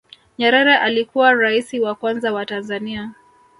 nyerere alikuwa raisi wa kwanza wa tanzania